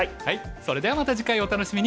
それではまた次回をお楽しみに！